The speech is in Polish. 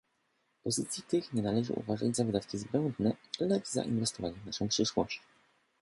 Pozycji tych nie należy uważać za wydatki zbędne, lecz za inwestowanie w naszą przyszłość